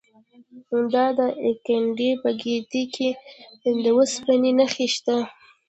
د دایکنډي په ګیتي کې د وسپنې نښې شته.